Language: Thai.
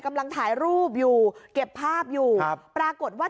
กำลังถ่ายรูปอยู่เก็บภาพอยู่ครับปรากฏว่า